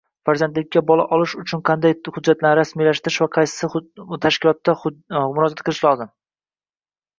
Farzandlikka bola olish uchun qanday hujjatlarni rasmiylashtirish va qaysi tashkilotga murojaat qilish lozim?